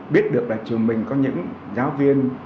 biết được là trường mình có những giáo viên